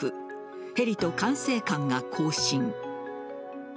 ヘリと管制官が交信。